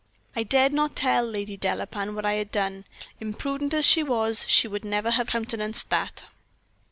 I dared not tell Lady Delapain what I had done. Imprudent as she was, she would never have countenanced that.